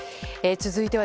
続いては。